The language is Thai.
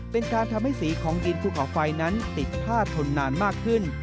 เป็นการทำให้สีของดินภูเขาไฟนั้นติดผ้าทนนานมากขึ้น